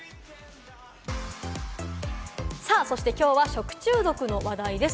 そして今日は食中毒の話題です。